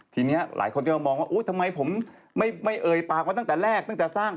ทีนี้หลายคนก็มองว่าทำไมผมไม่เอ่ยปากมาตั้งแต่แรกตั้งแต่สร้าง